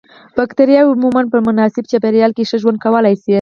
بکټریاوې عموماً په مناسب چاپیریال کې ښه ژوند کولای شي.